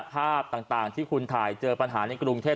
ภาพต่างที่คุณถ่ายเจอปัญหาในกรุงเทพ